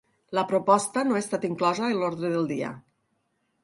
La proposta no ha estat inclosa en l’ordre del dia.